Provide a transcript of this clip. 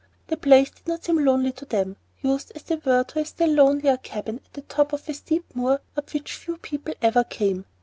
The place did not seem lonely to them, used as they were to a still lonelier cabin at the top of a steep moor up which few people ever came.